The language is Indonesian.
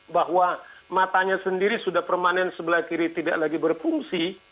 bahwa matanya sendiri sudah permanen sebelah kiri tidak lagi berfungsi